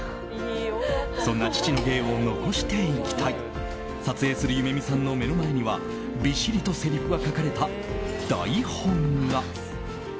そんな父の芸を残していきたい撮影する夢弓さんの目の前にはびっしりとせりふが書かれた台本が。